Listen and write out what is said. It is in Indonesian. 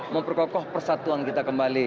memperkokoh persatuan kita kembali